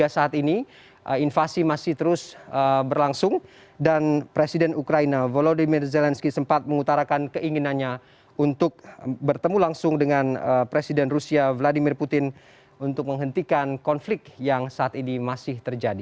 saat ini invasi masih terus berlangsung dan presiden ukraina volodymyr zelensky sempat mengutarakan keinginannya untuk bertemu langsung dengan presiden rusia vladimir putin untuk menghentikan konflik yang saat ini masih terjadi